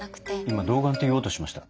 今「童顔」って言おうとしました？